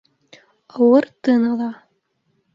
Ауыр тын ала.